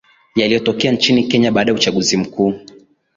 yaliotokea nchini kenya baada ya uchaguzi mkuu